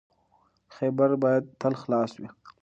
خیبر باید تل خلاص وي.